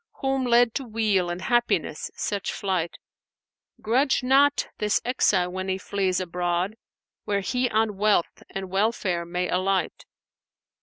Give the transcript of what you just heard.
* Whom led to weal and happiness such flight, Grudge not this exile when he flees abroad * Where he on wealth and welfare may alight.